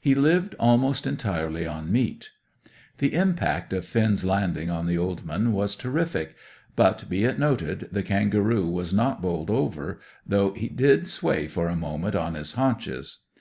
He lived almost entirely on meat. The impact of Finn's landing on the old man was terrific; but, be it noted, the kangaroo was not bowled over, though he did sway for a moment on his haunches.